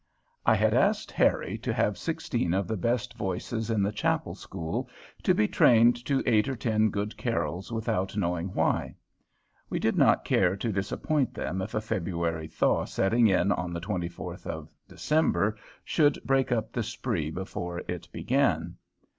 I had asked Harry to have sixteen of the best voices in the chapel school to be trained to eight or ten good Carols without knowing why. We did not care to disappoint them if a February thaw setting in on the 24th of December should break up the spree before it began.